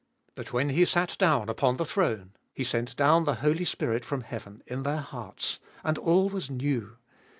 But when He sat down upon the throne, He sent down the Holy Spirit from heaven in their hearts, and all was new.